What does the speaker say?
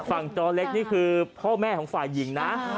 จอเล็กนี่คือพ่อแม่ของฝ่ายหญิงนะ